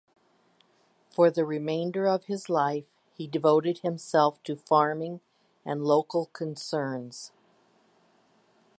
For the remainder of his life he devoted himself to farming and local concerns.